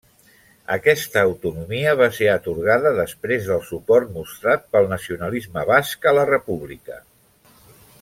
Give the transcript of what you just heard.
Aquesta autonomia va ser atorgada després del suport mostrat pel nacionalisme basc a la República.